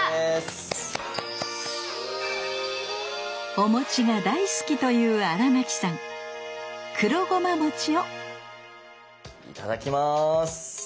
お餅が大好きという荒牧さん「黒ごま餅」をいただきます。